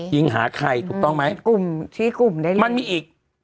ยิงหาใครถูกต้องไหมกลุ่มชี้กลุ่มได้เลยมันมีอีก